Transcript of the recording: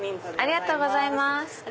ありがとうございます。